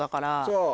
そう。